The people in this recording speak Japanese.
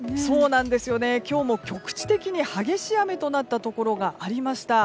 今日も局地的に激しい雨となったところがありました。